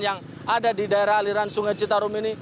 yang ada di daerah aliran sungai citarum ini